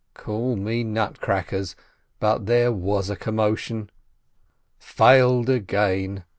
Call me nut crackers, but there was a commotion. "Failed again